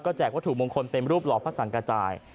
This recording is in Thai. แจกวัตถุมงคลเป็นรูปหล่อพระสังกระจาย